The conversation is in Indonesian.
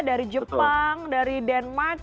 dari jepang dari denmark